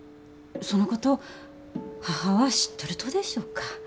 そのこと母は知っとるとでしょうか？